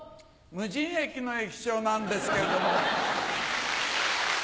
無人駅の駅長なんですけれども。